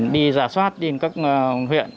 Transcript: đi giả soát đến các huyện